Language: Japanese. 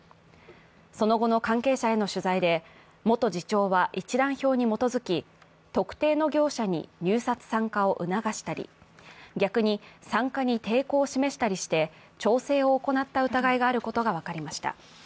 その後の関係者への取材で元次長は一覧表に基づき、特定の業者に入札参加を促したり逆に参加に抵抗を示したりして調整を行った疑いがあることが分かりました。